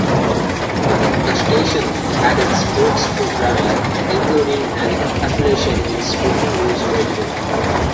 The station added sports programming, including an affiliation with Sporting News Radio.